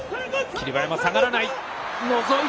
霧馬山、下がらない。